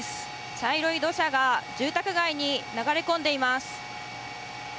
茶色い土砂が住宅街に流れ込んでいます。